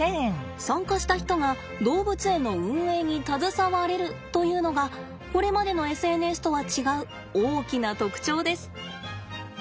参加した人が動物園の運営に携われるというのがこれまでのＳＮＳとは違う大きな特徴です。